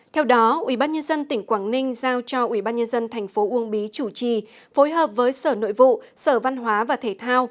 theo đó ủy ban nhân dân tỉnh quảng ninh giao cho ủy ban nhân dân thành phố uông bí chủ trì phối hợp với sở nội vụ sở văn hóa và thể thao